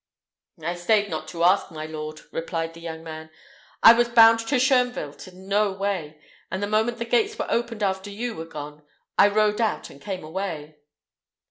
"I staid not to ask, my lord," replied the young man. "I was bound to Shoenvelt in no way, and the moment the gates were opened after you were gone, I rode out and came away."